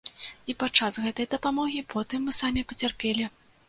І падчас гэтай дапамогі потым мы самі пацярпелі.